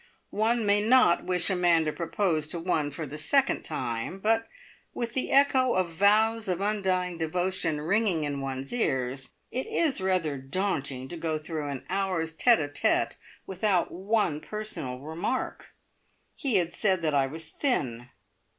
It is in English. One may not wish a man to propose to one for the second time; but, with the echo of vows of undying devotion ringing in one's ears, it is rather daunting to go through an hour's tete a tete without one personal remark! He had said that I was thin.